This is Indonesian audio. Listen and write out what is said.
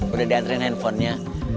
udah diantrin handphonenya